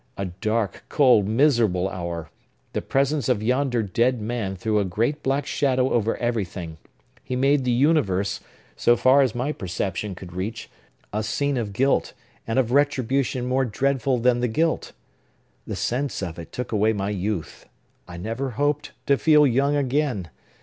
"A dark, cold, miserable hour! The presence of yonder dead man threw a great black shadow over everything; he made the universe, so far as my perception could reach, a scene of guilt and of retribution more dreadful than the guilt. The sense of it took away my youth. I never hoped to feel young again!